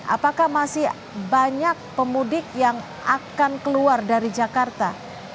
apakah masih banyak pemudik yang akan keluar dari jakarta